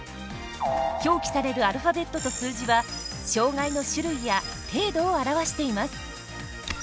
表記されるアルファベットと数字は障がいの種類や程度を表しています。